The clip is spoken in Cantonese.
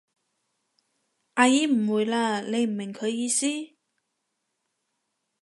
阿姨誤會喇，你唔明佢意思？